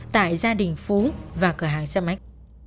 tại gia đình phú và cửa hàng xe máy